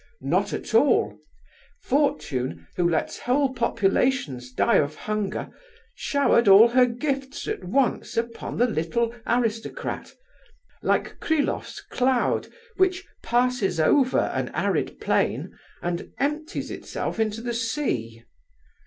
Not at all; Fortune, who lets whole populations die of hunger, showered all her gifts at once upon the little aristocrat, like Kryloff's Cloud which passes over an arid plain and empties itself into the sea.